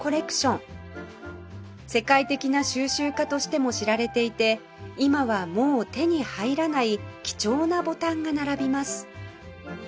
世界的な収集家としても知られていて今はもう手に入らない貴重なボタンが並びます